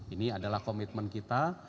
ini adalah komitmen kita